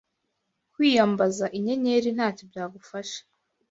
kwiyambaza inyenyeri ntacyo byagufasha